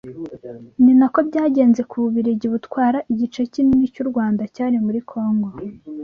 Ni nako byagenze ku Bubiligi butwara igice kinini cy’u Rwanda cyari muri Congo.”